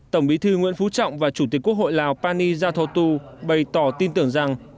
tổng bí thư nguyễn phú trọng và chủ tịch quốc hội lào pani gia tho tu bày tỏ tin tưởng rằng